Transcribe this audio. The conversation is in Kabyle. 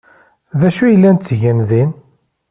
D acu ay llan ttgen din?